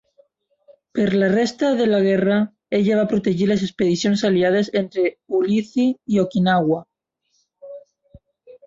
Per la resta de la guerra, ella va protegir les expedicions aliades entre Ulithi i Okinawa.